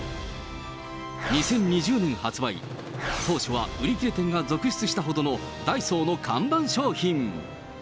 ２０２０年発売、当初は売り切れ店が続出したほどのダイソーの看板商品。